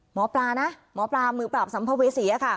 หมอปลานะหมอปลามือปราบสัมภเวษีค่ะ